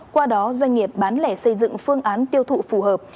qua đó doanh nghiệp bán lẻ xây dựng phương án tiêu thụ phù hợp